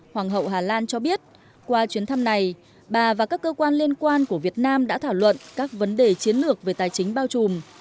hoàng hậu hà lan cho biết qua chuyến thăm này bà và các cơ quan liên quan của việt nam đã thảo luận các vấn đề chiến lược về tài chính bao trùm